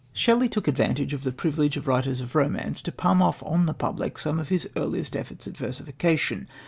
Shelley took advantage of the privilege of writers of romance to palm off on the public some of his earliest efforts at versification.